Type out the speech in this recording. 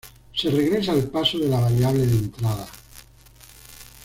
Se regresa al paso de la variable de entrada.